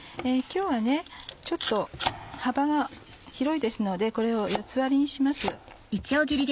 今日はちょっと幅が広いですのでこれを四つ割りにします。